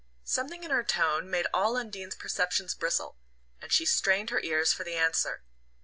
Something in her tone made all Undine's perceptions bristle, and she strained her ears for the answer.